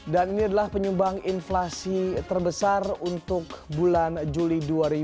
dan ini adalah penyumbang inflasi terbesar untuk bulan juli dua ribu delapan belas